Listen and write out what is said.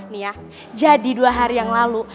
nih ya jadi dua hari yang lalu